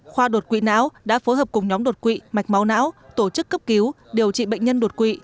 khoa đột quỵ não đã phối hợp cùng nhóm đột quỵ mạch máu não tổ chức cấp cứu điều trị bệnh nhân đột quỵ